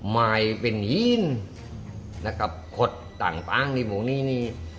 ไม้เป็นหี้นนะครับขดต่างต่างที่บุงนี้นี่